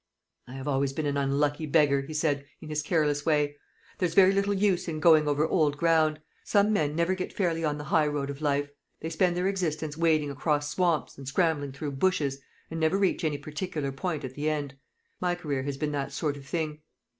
"I have always been an unlucky beggar," he said, in his careless way. "There's very little use in going over old ground. Some men never get fairly on the high road of life. They spend their existence wading across swamps, and scrambling through bushes, and never reach any particular point at the end. My career has been that sort of thing."